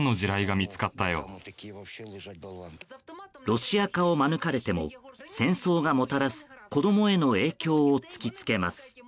ロシア化を免れても戦争がもたらす子供への影響を突きつけます。